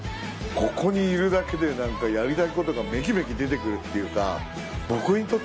ここにいるだけでやりたいことがめきめき出て来るっていうか。